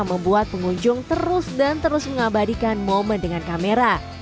membuat pengunjung terus dan terus mengabadikan momen dengan kamera